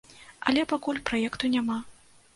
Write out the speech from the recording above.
Але пакуль праекту няма.